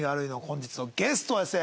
本日のゲストはですね